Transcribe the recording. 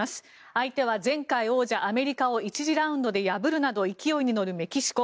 相手は前回王者、アメリカを１次ラウンドで破るなど勢いに乗るメキシコ。